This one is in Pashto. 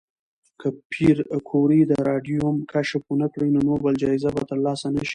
که پېیر کوري د راډیوم کشف ونکړي، نو نوبل جایزه به ترلاسه نه شي.